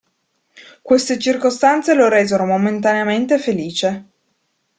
Queste circostanze lo resero momentaneamente felice.